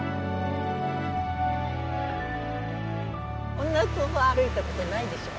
こんなとこ歩いたことないでしょう？